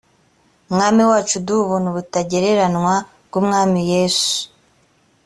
mwami wacu d ubuntu butagereranywa bw umwami yesu